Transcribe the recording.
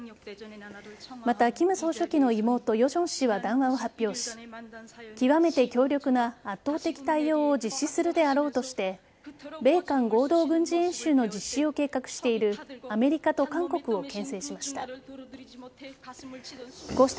また、金総書記の妹ヨジョン氏は談話を発表し極めて強力な圧倒的対応を実施するであろうとして米韓合同軍事演習の実施を計画しているアメリカと韓国をけん制しました。